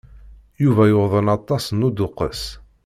Yuba yuḍen aṭṭan n uduqqes.